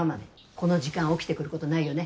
この時間起きてくることないよね？